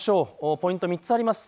ポイント３つあります。